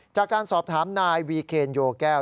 จากการสอบถามนายวีเคนโยแก้ว